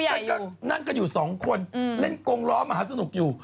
ฉันก็นั่งกันอยู่สองคนเล่นกงล้อมหาสนุกอยู่